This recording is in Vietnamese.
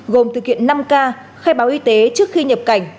gồm thực hiện năm k khai báo y tế trước khi nhập cảnh